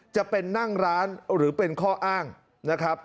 จะเป็นนั่งร้านหรือเป็นข้ออ้างนะครับ